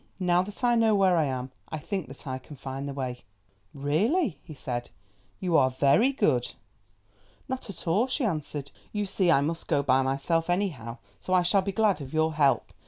Now that I know where I am I think that I can find the way." "Really," he said, "you are very good." "Not at all," she answered, "you see I must go myself anyhow, so I shall be glad of your help.